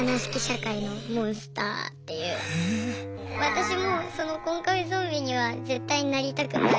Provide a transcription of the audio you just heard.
私もそのコンカフェゾンビには絶対なりたくない。